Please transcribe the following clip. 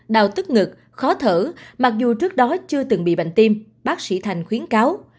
đào tức ngực khó thở mặc dù trước đó chưa từng bị bệnh tim bác sĩ thành khuyến cáo